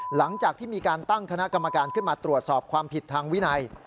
หลังจากที่มีการตั้งคณะกรรมการขึ้นมาตรวจสอบความผิดทางวินัย